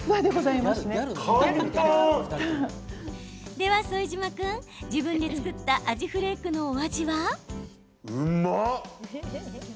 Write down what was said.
では副島君、自分で作ったアジフレークのお味は？